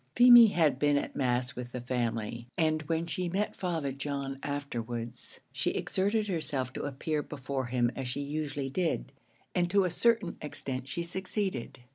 Feemy had been at mass with the family, and when she met Father John afterwards, she exerted herself to appear before him as she usually did, and to a certain extent she succeeded.